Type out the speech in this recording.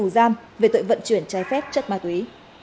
giam về tội vận chuyển trái phép chất ma túy